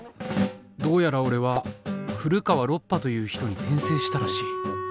どうやら俺は古川ロッパという人に転生したらしい。